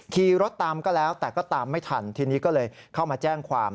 ขี่รถตามก็แล้วแต่ก็ตามไม่ทันทีนี้ก็เลยเข้ามาแจ้งความ